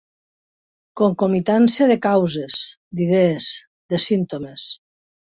Concomitància de causes, d'idees, de símptomes.